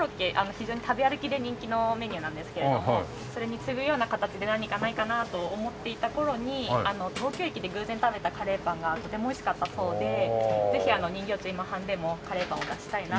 非常に食べ歩きで人気のメニューなんですけれどもそれに次ぐような形で何かないかなと思っていた頃に東京駅で偶然食べたカレーパンがとてもおいしかったそうでぜひ人形町今半でもカレーパンを出したいなと。